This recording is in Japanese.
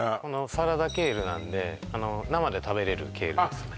サラダケールなんで生で食べれるケールですね